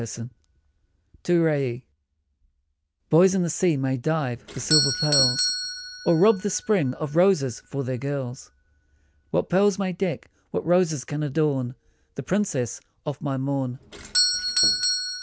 88 TO RAIE BOYS in the sea may dive for silver pearls, Or rob the spring of roses for their girls ; What pearls may deck, what roses can adorn The princess of my morn